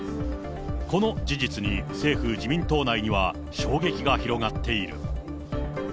この事実に政府・自民党内には、衝撃が広がっている。